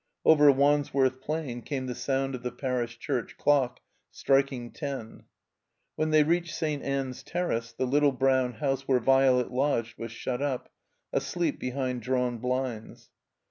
Over Wandsworth Plain came the sound of the Parish Church dock striking ten. When they reached St. Ann's Terrace the little brown house where Violet lodged was shut up, asleep behind drawn blinds.